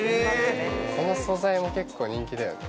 この素材も結構人気だよね